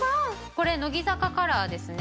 これ乃木坂カラーですね。